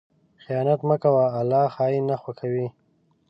خیانت مه کوه، الله خائن نه خوښوي.